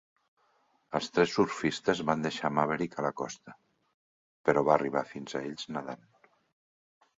Els tres surfistes van deixar Maverick a la costa, però va arribar fins a ells nedant.